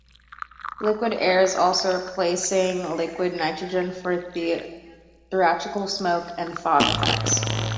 Liquid air is also replacing liquid nitrogen for theatrical smoke and fog effects.